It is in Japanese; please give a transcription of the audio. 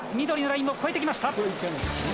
緑のラインを越えてきました。